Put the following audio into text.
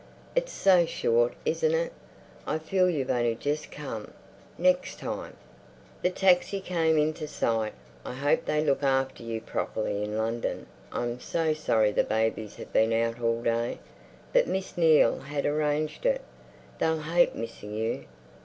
"It's so short, isn't it? I feel you've only just come. Next time—" The taxi came into sight. "I hope they look after you properly in London. I'm so sorry the babies have been out all day, but Miss Neil had arranged it. They'll hate missing you.